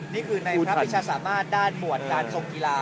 นี่คือในพระพิชาสามารถด้านหมวดการทรงกีฬา